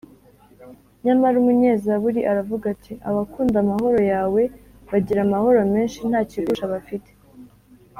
nyamara umunyezaburi aravuga ati, “abakunda amahoro yawe bagira amahoro menshi, nta kigusha bafite